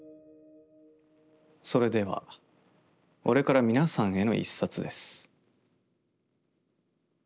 それでは俺から皆さんへの一冊です。